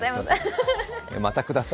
またください。